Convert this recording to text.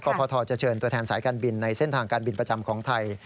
พทจะเชิญตัวแทนสายการบินในเส้นทางการบินประจำของไทย